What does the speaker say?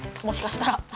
もしかしたら。